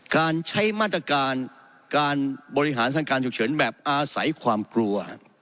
การใช้มาตรการการบริหารทางการฉุกเฉินแบบอาศัยความกลัว